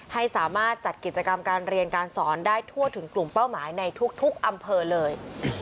ให้สามารถจัดกิจกรรมการเรียนการสอนได้ทั่วถึงกลุ่มเป้าหมายในทุกอำเภอเลย